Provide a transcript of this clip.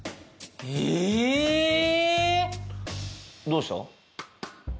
どうした？